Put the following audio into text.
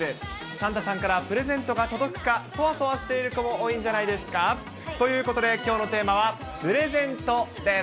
サンタさんからプレゼントが届くか、そわそわしている子も多いんじゃないですか？ということで、きょうのテーマはプレゼントです。